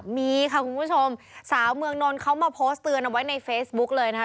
มีค่ะคุณผู้ชมสาวเมืองนนท์เขามาโพสต์เตือนเอาไว้ในเฟซบุ๊กเลยนะคะ